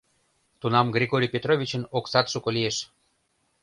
Тунам Григорий Петровичын оксат шуко лиеш!